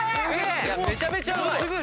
めちゃめちゃうまい。